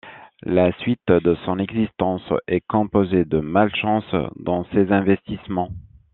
La suite de son existence est composée de malchances dans ses investissements.